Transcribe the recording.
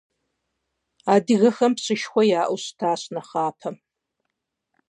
Адыгэхэм пщышхуэ яӏэу щытащ нэхъапэм.